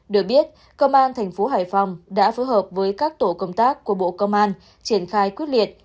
được biết công an thành phố hải phòng đã phối hợp với các tổ công tác của bộ công an triển khai quyết liệt